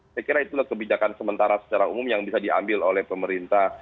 saya kira itulah kebijakan sementara secara umum yang bisa diambil oleh pemerintah